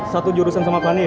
satu jurusan sama pani ya